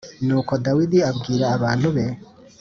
Nuko Dawidi abwira abantu be